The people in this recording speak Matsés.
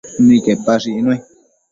Nidquepash icnui